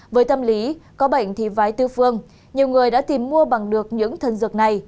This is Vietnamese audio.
với tâm lý có bệnh thì vái tư phương nhiều người đã tìm mua bằng được những thân dược này